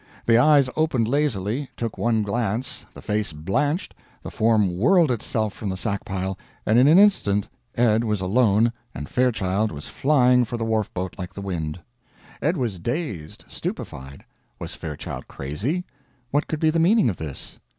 The eyes opened lazily, took one glance, the face blanched, the form whirled itself from the sack pile, and in an instant Ed was alone and Fairchild was flying for the wharf boat like the wind! Ed was dazed, stupefied. Was Fairchild crazy? What could be the meaning of this?